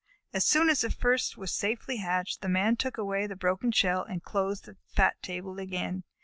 As soon as the first was safely hatched, the Man took away the broken shell and closed the fat table again.